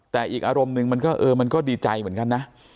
แต่อีกอารมณ์หนึ่งมันก็เออมันก็ดีใจเหมือนกันนะ